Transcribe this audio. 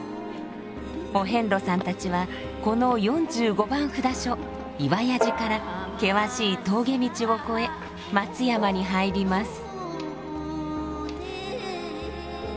お遍路さんたちはこの４５番札所岩屋寺から険しい峠道を越え松山に入ります。